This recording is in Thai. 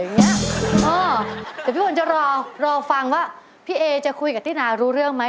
เดี๋ยวพี่อุ๋นจะรอรอฟังว่าพี่เอจะคุยกับตินารู้เรื่องไหม